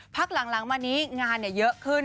พักหลังมานี้งานเยอะขึ้น